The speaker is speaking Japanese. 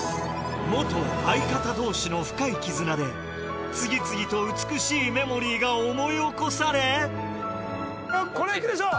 相方同士の深い絆で次々と美しいメモリーが思い起こされこれいくでしょう。